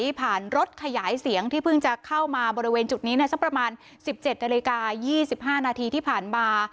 ผ่านรถขยายเสียงที่เพิ่งจะเข้ามาบริเวณจุดนี้สักประมาณ๑๗นาฬิกา๒๕นาทีที่ผ่านมา